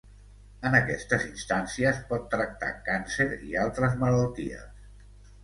En aquestes instàncies pot tractar càncer i altres malalties.